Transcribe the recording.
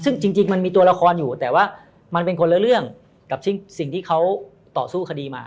ซึ่งจริงมันมีตัวละครอยู่แต่ว่ามันเป็นคนละเรื่องกับสิ่งที่เขาต่อสู้คดีมา